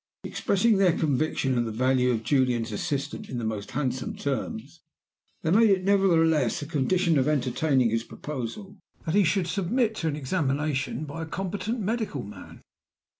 Expressing their conviction of the value of Julian's assistance in the most handsome terms, they made it nevertheless a condition of entertaining his proposal that he should submit to examination by a competent medical man.